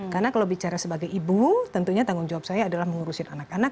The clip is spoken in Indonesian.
karena kalau bicara sebagai ibu tentunya tanggung jawab saya adalah mengurusin anak anak